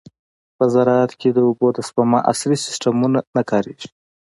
په زراعت کې د اوبو د سپما عصري سیستمونه نه کارېږي.